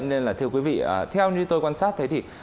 nên là thưa quý vị theo như tôi quan sát